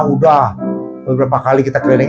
udah beberapa kali kita keliling